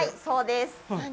そうです。